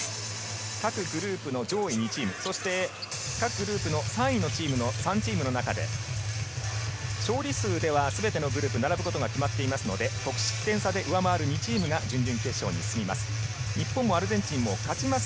各グループの上位２チーム、そして各グループの３位のチームの３チームの中で、勝利数では全てのグループ、並ぶことが決まっていますので得失点差で上回る２チームが準々決勝に進みます。